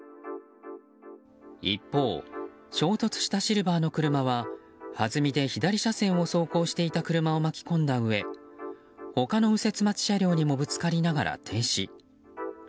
一方、衝突したシルバーの車ははずみで、左車線を走行していた車を巻き込んだうえ他の右折待ち車両にもぶつかりながら停止。